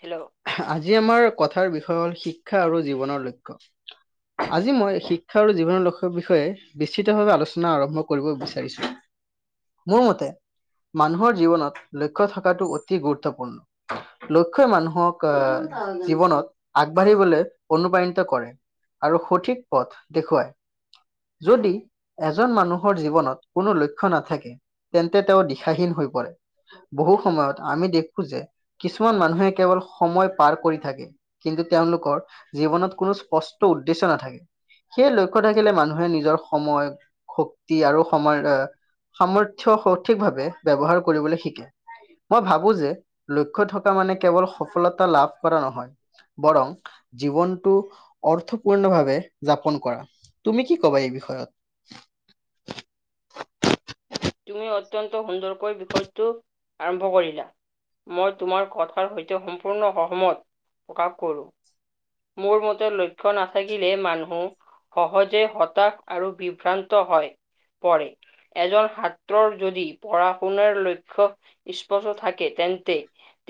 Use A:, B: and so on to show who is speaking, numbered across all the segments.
A: Hello.
B: আজি আমাৰ কথাৰ বিষয় হ'ল শিক্ষা আৰু জীৱনৰ লক্ষ্য। আজি মই শিক্ষা আৰু জীৱনৰ লক্ষ্যৰ বিষয়ে নিশ্চিতভাৱে আলোচনা আৰম্ভ কৰিব বিচাৰিছোঁ। মোৰ মতে, মানুহৰ জীৱনত লক্ষ্য থকাটো অতি গুৰুত্বপূৰ্ণ। লক্ষ্য মানুহক আহ জীৱনত আগবাঢ়িবলৈ অনুপ্ৰাৰাণিত কৰে আৰু সঠিক পথ দেখুৱায়। যদি এজন মানুহৰ জীৱনত কোনো লক্ষ্য নাথাকে। তেন্তে তেওঁ দিশাহীন হৈ পৰে, বহু সময়ত। আমি দেখো যে কিছুমান মানুহে কেৱল সময় পাৰ কৰি থাকে। কিন্তু তেওঁলোকৰ জীৱনত কোনো স্পষ্ট উদ্দেশ্য নাথাকে। সেই লক্ষ্য মানুহে নিজৰ সময় শক্তি আৰু সময় অহ সামৰ্থ্য সঠিকভাৱে ব্যবহাৰ কৰিবলে শিকে। মই ভাবো যে লক্ষ্য থকা মানে কেৱল সফলতা লাভ কৰা নহয় বৰং জীৱনটো অৰ্থপূৰ্ণ ভাৱে যাপন কৰা তুমি কি কবা এই বিষয়ত?
A: তুমি অত্যন্ত সুন্দৰকৈ বিষয়টো আৰম্ভ কৰিলা। মই তোমাৰ কথাৰ সৈতে সম্পূৰ্ণ সহমত প্ৰকাশ কৰোঁ। মোৰ মতে লক্ষ্য নাথাকিলে মানুহ সহজে হতাশ আৰু বিভ্ৰান্ত হয় পৰে। এজন ছাত্ৰৰ যদি পঢ়া শুনাৰ লক্ষ্য স্পষ্ট থাকে তেন্তে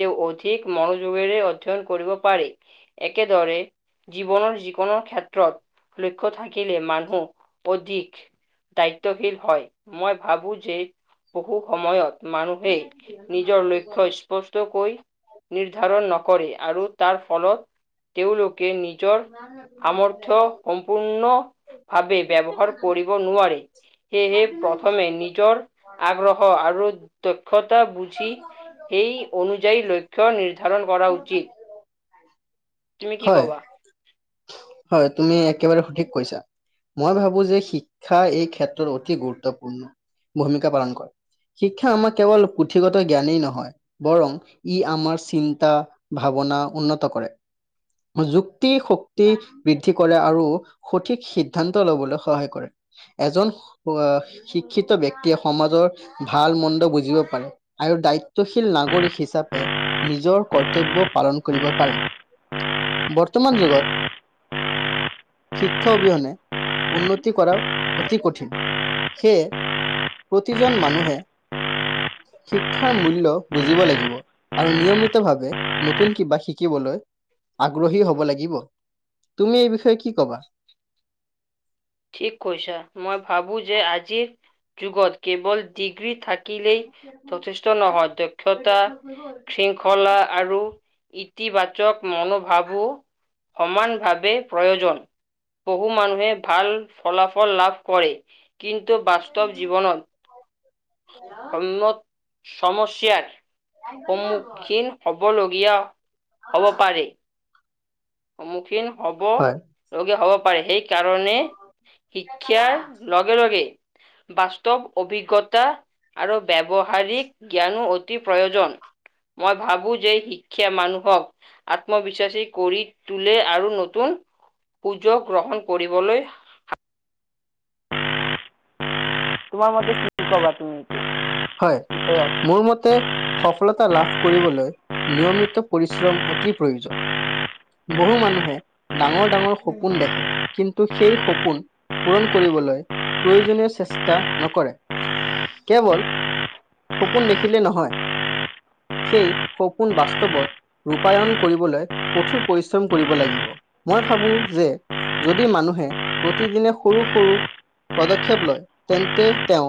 A: তেওঁ অধিক মনোযোগেৰে অধ্যয়ন কৰিব পাৰে। একেদৰে জীৱনৰ যিকোনো ক্ষেত্ৰত লক্ষ্য থাকিলে মানুহ অধিক দায়িত্বশীল হয় মই ভাবো যে বহু সময়ত মানুহে নিজৰ লক্ষ্যয়চ স্পষ্টকৈ নিৰ্ধাৰণ নকৰে আৰু তাৰ ফলত তেওঁলোকে নি নিজৰ সামৰ্থ সম্পূৰ্ণ ভাৱে ব্যৱহাৰ কৰিব নোৱাৰে সেয়েহে প্ৰথমে নিজৰ আগ্ৰহ আৰু দক্ষতা বুজ জি সেই অনুযায়ী লক্ষ্য নিৰ্ধাৰণ কৰা উচিত। তুমি কি
B: হয়
A: কবা?
B: হয় তুমি একেবাৰে সঠিক কৈছা মই ভাবো যে শিক্ষাই এই ক্ষেত্ৰত অতি গুৰুত্বপূৰ্ণ ভূমিকা পালন কৰে শিক্ষা আমাক কেৱল পুথিগত জ্ঞানেই নহয় বৰং ই আমাৰ চিন্তা-ভাবনা উন্নত কৰে। যুক্তি শক্তি বৃদ্ধি কৰে আৰু সঠিক সিদ্ধান্ত ল'বলৈ সহায় কৰে এজন হ শিক্ষিত ব্যক্তিয়ে সমাজৰ ভাল মণ্ড বুজিব পাৰে। আৰু দায়িত্বশীল নাগৰিক হিচাপে নিজৰ কৰ্তব্য পালন কৰিব পাৰে। বৰ্তমান যুগত। শিক্ষা অবিহনে উন্নতি কৰা অতি কঠিন। সেয়ে প্ৰতিজন মানুহে। শিক্ষাৰ মূল্য বুজিব লাগিব আৰু নিয়মিতভাৱে নতুন কিবা শিকিবলৈ আগ্ৰহী হব লাগিব তুমি এই বিষয়ে কি কবা
A: ঠিক কৈছা মই ভাবোঁ যে আজিৰ যুগত কেৱল ডিগ্ৰী থাক কিলেই যথেষ্ট নহয় দক্ষতা থ্ৰিঙ্ক খোলা আৰু ইতিবাচক মনোভাৱো সমান ভাৱে প্ৰয়োজন বহু মানুহে ভাল ফলাফল লাভ কৰে কিন্তু বাস্তৱ জীৱনত সন্মত সমস্যাৰ সন্মুখীন হবলগীয়া হব পাৰে, সন্মুখীন হ'ব
B: হয়,
A: লগীয়া হ'ব পাৰে সেই কাৰণে শিক্ষাৰ লগে লগেই বাস্তৱ অভিকগতা আৰু ব্যৱহাৰিক জ্ঞানো অতি প্ৰয়োজন মই ভাবো যে শিক্ষাই মানুহক, আত্মবিশ্বাসী কৰি তোলে আৰু নতুন, সুয গ্ৰহণ কৰিবলৈ। তোমাৰ মতে কি কাবা তুমি?
B: হয়, মোৰ মতে সফলতা লাভ কৰিবলৈ, নিয়মিত পৰিশ্ৰম অতি প্ৰয়োজন। বহু মানুহে, ডাঙৰ ডাঙৰ সপোন দেখে। কিন্তু সেই সপোন, পূৰণ কৰিবলৈ, প্ৰয়োজনীয় চেষ্টা নকৰে। কেৱল সপোন দেখিলে নহয়, সেই সপোন বাস্তৱত ৰূপায়ণ কৰিবলৈ, কঠোৰ পৰিশ্ৰম কৰিব লাগিব। মই ভাবো যে, যদি মানুহে, প্ৰতিদিনে সৰু -সৰু পদক্ষেপ লয়, তেন্তে তেওঁ,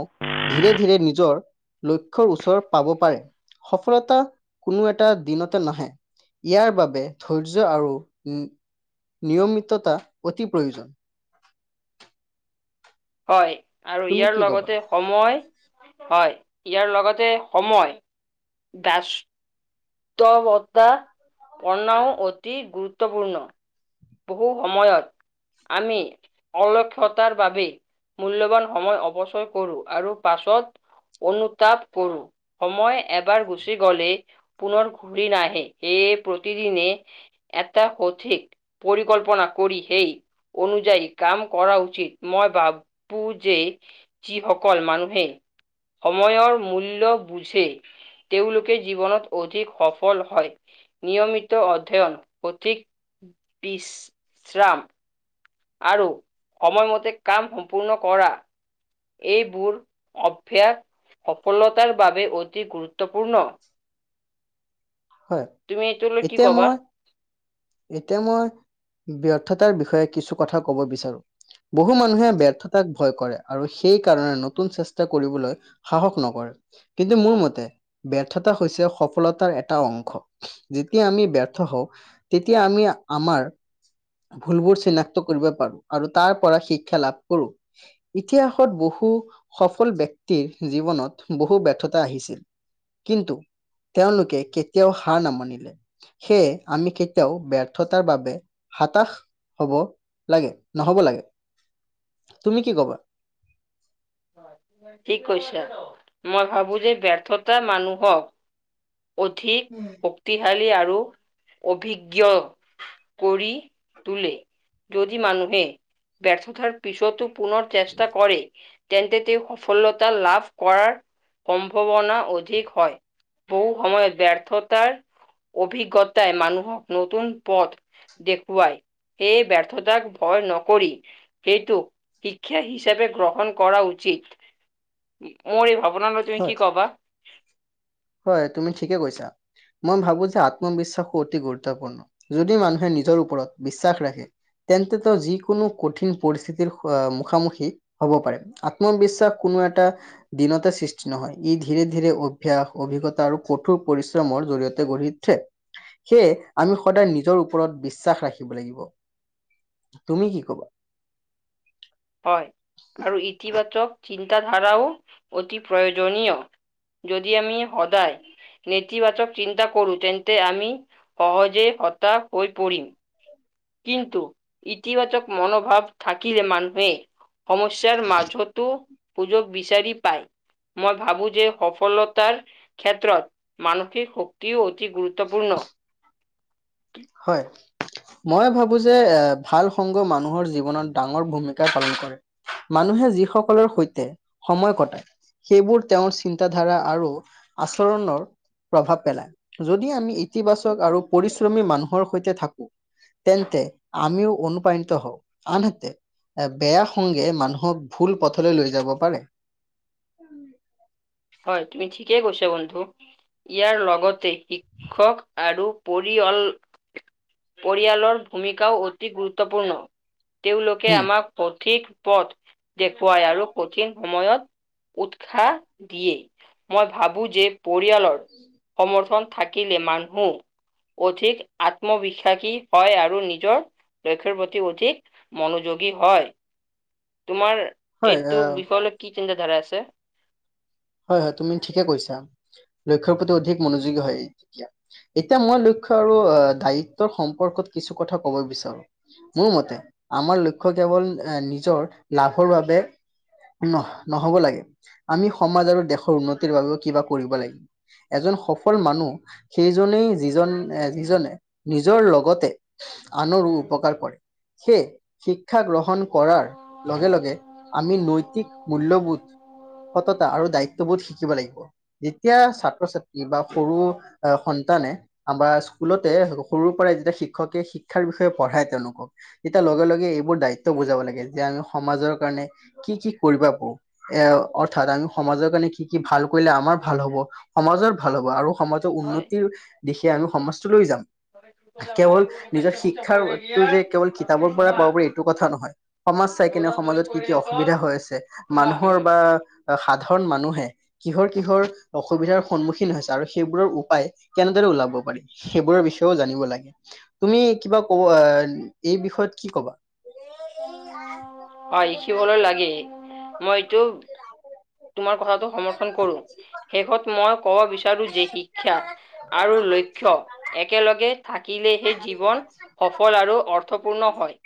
B: ধীৰে-ধীৰে নিজৰ লক্ষ্ৰ ওচৰ পাব পাৰে, সফলতা, কোনো এটা দিনতে নাহে। ইয়াৰ বাবে ধৈৰ্য আৰু, নিয়মিততা অতি প্ৰয়োজন আছে।
A: হয়, আৰু
B: তুমি
A: ইয়াৰ
B: কি ক'বা?
A: লগতে সময়, হয়, ইয়াৰ লগতে সময়। দস্ত, বতা, কৰ্ণই অতি গুৰুত্বপূৰ্ণ। বহু সময়ত, আমি, অলক্ষতা বাবেই। মূল্যবান সময় অৱচয় কৰোঁ, আৰু পাছত অনুতাপ কৰোঁ, সময় এবাৰ গুচি গলেই- পুনৰ ঘূৰি নাহে সে প্ৰতিদিনে, এটা সঠিক পৰিকল্পনা কৰি সেই অনুযায়ী কাম কৰা উচিত, মই ভাবো যে যিসকল মানুহে, সময়ৰ মূল্য বুজে। তেওঁলোকে জীৱনত অধিক সফল হয়, নিয়মিত অধ্যয়ন সঠিক বিশ্ৰাম। আৰু, সময়মতে কাম সম্পূৰ্ণ কৰা। এইবোৰ অইভাস, সফলতাৰ বাবে অতি গুৰুত্বপূৰ্ণ।
B: হয়,
A: তুমি এইটোলৈ কি
B: এতিয়া
A: ক'বা?
B: মই এতিয়া মই, ব্যৰ্থতাৰ বিষয়ে কিছু কথা কব বিচাৰো। বহু মানুহে ব্যৰ্থতাক ভয় কৰে, আৰু সেই কাৰণে নতুন চেষ্টা কৰিবলৈ- সাহস নকৰে, কিন্তু মোৰ মতে, ব্যৰ্থতা হৈছে সফলতাৰ এটা এটা অংশ, যেতিয়া আমি ব্যৰ্থ হওঁ তেতিয়া আমি আমাৰ ভুলবোৰ চিনাক্ত কৰিব পাৰো, আৰু তাৰ পৰা শিক্ষা লাভ কৰো। ইতিহাসত বহু সফল ব্যক্তিৰ জীৱনত বহু ব্যৰ্থতা আহিছিল। কিন্তু, তেওঁলোকে কেতিয়াও হাৰ নামানিলে। সেয়ে আমি কেতিয়াও ব্যৰ্থতাৰ বাবে, হাতাশ হ'ব লাগে, নহব লাগে, তুমি কি কবা?
A: ঠিক কৈছা, মই ভাবো যে ব্যৰ্থতা মানুহক- অধিক শক্তিশালী আৰু, অভিজ্ঞ কৰি তোলে, যদি মানুহে, ব্যৰ্থতাৰ পিছতো পুনৰ চেষ্টা কৰে। তেন্তে তেওঁ সফলতা লাভ কৰাৰ, সম্ভাৱনা অধিক হয়। বহু সময়ত ব্যৰ্থতাৰ, অভিজ্ঞতাই মানুহক নতুন পথ দেখুৱাই, সেই ব্যৰ্থতাক ভয় নকৰি- সেইটোক, শিক্ষা হিচাপে গ্ৰহণ কৰা উচিত মোৰ এই ভাৱনাটো তুমি
B: হয়,
A: কি কবা।
B: হয় তুমি ঠিকে কৈছা। মই ভাবো যে আত্মবিশ্বাসো অতি গুৰুত্বপূৰ্ণ যদি মানুহে নিজৰ ওপৰত বিশ্বাস ৰাখে। তেন্তেতো যিকোনো কঠিন পৰিস্থিতি মুখ মুখী। হ'ব পাৰে আত্মবিশ্বাস কোনো এটা দিনতে সৃষ্টি নহয় ই ধীৰৰে ধীৰৰে অভ্যাস। অভিজ্ঞতা আৰু কঠোৰ পৰিশ্ৰমৰ জৰি়য়তে গঢ়ি উঠে। সেয়ে আমি সদায় নিজৰ ওপৰত বিশ্বাস ৰাখিব লাগিব তুমি কি কবা।
A: হয় আৰু ইতিবাচক চিন্তাধাৰাও অতি প্ৰয়োজনীয়। যদি আমি সদায়। নেতিবাচক চিন্তা কৰো তেন্তে আমি সহজে হতাশ হৈ পৰিম। কিন্তু ইতিবাচক মনোভাৱ থাকিলে মানুহ। সমস্যাৰ মাজতো সুযোগ বিচাৰি পায়। মই ভাবো যে সফলতাৰ ক্ষেত্ৰত মানসিক। শক্তিও অতি গুৰুত্বপূৰ্ণ।
B: হয়। মই ভাবো যে এ ভাল সংগ মানুহৰ জীৱনত ডাঙৰ ভূমিকা পালন কৰে। মানুহে যিসকলৰ সৈতে সময় কটায়। সেইবোৰ তেওঁৰ চিন্তাধাৰা আৰু আচৰণৰ। প্ৰভাৱ পেলাই যদি আমি ইতিবাচক আৰু পৰিশ্ৰমী মানুহৰ সৈতে থাকো। তেন্তে আমিও অনুপ্ৰাণিত হওঁ আনহাতে। এ, বেয়া সংগে মানুহক, ভুল পথলৈ লৈ যাব পাৰে।
A: হয়, তুমি ঠিকে কৈছা বন্ধু। ইয়াৰ লগতে শিক্ষক আৰু পৰিয়ল পৰিয়ালৰ ভূমিকাও অতি গুৰুত্বপূৰ্ণ। তেওঁলোকে
B: হম,
A: আমাক। সঠিক পথ দেখুৱাই আৰু কঠিন সময়ত, উৎসাহ। দিয়ে, মই ভাবো যে, পৰিয়ালৰ সমৰ্থন থাকিলে মানুহো। অধিক আত্মবিশ্বাসী হয় আৰু নিজৰ, লক্ষ্ৰ প্ৰতি অধিক। মনোযোগী হয়। তোমাৰ
B: হয়,
A: এইটো
B: আহ
A: বিষয়লৈ কি চিন্তাধাৰা আছে?
B: হয়, হয়। তুমি ঠিকে কৈছা। লক্ষ্যৰ প্ৰতি অধিক মনোযোগী হয়, তেতিয়া। এতিয়া মই, লক্ষ্য আৰু দায়িত্বৰ সম্পৰ্কত কিছু কথা কব বিচাৰো। মোৰ মতে, আমাৰ লক্ষ্য কেৱল এ, নিজৰ লাভৰ বাবে। নহ, নহব লাগে। আমি সমাজ আৰু দেশৰ উন্নতিৰ বাবেও কিবা কৰিব লাগে। এজন সফল মানুহ। সেইজনেই যিজন, যিজনে নিজৰ লগতে। আনৰো উপকাৰ কৰে। সেয়ে, শিক্ষা গ্ৰহণ। কৰাৰ লগে লগে, আমি নৈতিক মূল্যবোধ। সততা আৰু দায়িত্ববোধ শিকিব লাগিব। যেতিয়া, ছাত্ৰ-ছাত্ৰী বা সৰু সন্তানে। আমাৰ স্কুলতে, সৰুৰ পৰাই যেতিয়া শিক্ষকে, শিক্ষাৰ বিষয়ে পঢ়ায় জানো? তেতিয়া লগে-লগে এইবোৰ দায়িত্ব বুজাব লাগে, যে আমি সমাজৰ কাৰণে। কি কি কৰিবা পাওঁ, এয়া। অৰ্থাৎ, আমি সমাজৰ কাৰণে কি, কি ভাল কৰিলে আমাৰ ভাল হ'ব, সমাজৰ ভাল হ'ব, আৰু সমাজ।
A: হয়।
B: উন্নতিৰ দিশে আমি সমাজটোলৈ যাম। কেৱল, নিজৰ শিক্ষাৰটো যে কেৱল কিতাপৰ পৰা পাব পাৰে, এইটো কথা নহয়। সমাজ চাই কেনে, সমাজত কি কি অসুবিধা হৈ আছে, মানুহৰ বা সাধাৰণ মানুহে। কিহৰ, কিহৰ অসুবিধাৰ সন্মুখীন হৈছে আৰু সেইবোৰৰ উপায় কেনেদৰে ওলাব পাৰি? সেইবোৰৰ বিষয়েও জানিব লাগে। তুমি কিবা কব আহ, এই বিষয়ত কি ক'বা?
A: হয়, লিখিবলৈ লাগেই, মইতো তোমাৰ কথাটো সমৰ্থন কৰো, শেষত মই ক'ব বিচাৰো যে, শিক্ষা আৰু লক্ষ্য একেলগে থাকিলেহে জীৱন সফল আৰু অৰ্থপূৰ্ণ হয়।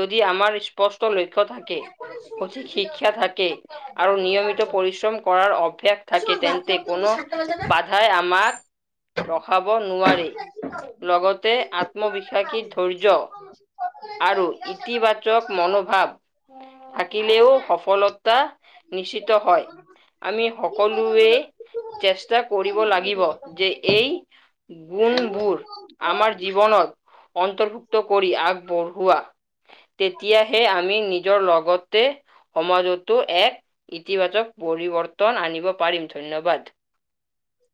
A: যদি আমাৰ স্পষ্ট লক্ষ্য থাকে, সঠিক শিক্ষা থাকে আৰু নিয়মিত পৰিশ্ৰম কৰাৰ অভ্যাস থাকে, তেন্তে কোনো বাধাই আমাক ৰখাব নোৱাৰে। লগতে আত্মবিশ্বাসী ধৈৰ্য আৰু ইতিবাদ মনোভাৱ, থাকিলেও সফলতা নিশ্চিত ত হয়। আমি সকলোৱে চেষ্টা কৰিব লাগিব, যে এই গুণবোৰ আমাৰ জীৱনত, অন্তৰ্ভুক্ত কৰি, আগবঢ়োৱা তেতিয়াহে আমি নিজৰ লগতে সমাজটো এক, ইতিবাচক পৰিৱৰ্তন আনিব পাৰিম, ধন্যবাদ।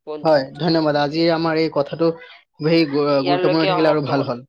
A: বন্ধু।
B: হয়। ধন্যবাদ আজি আমাৰ এই কথাটো, খুবেই
A: ইয়ালৈকে
B: গুৰুত্বপূৰ্ণ থাকিলে
A: সমাপ্ত
B: আৰু ভাল হ'ল।